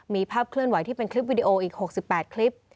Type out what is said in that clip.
มีภาพเคลื่อนไหวที่เป็นคลิปวิดีโออีก๖๘คลิป